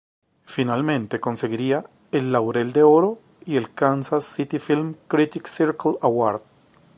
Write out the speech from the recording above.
Finalmente conseguiría el Laurel de Oro y el Kansas City Film Critics Circle Award.